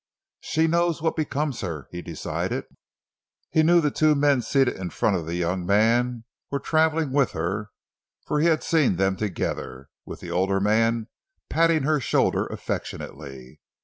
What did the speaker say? "She knows what becomes her," he decided. He knew the two men seated in front of the young man were traveling with her, for he had seen them together, with the older man patting her shoulder affectionately.